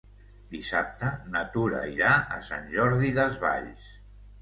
Dissabte na Tura irà a Sant Jordi Desvalls.